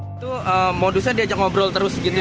itu modusnya diajak ngobrol terus gitu ya